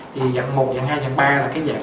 thì dạng một dạng hai dạng ba là cái dạng